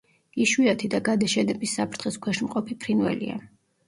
იშვიათი და გადაშენების საფრთხის ქვეშ მყოფი ფრინველია.